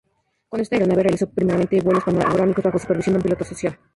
Con esta aeronave realizó primeramente vuelos panorámicos bajo supervisión de un piloto asociado.